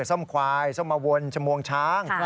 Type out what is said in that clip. ส้มควายส้มมาวนชมวงช้าง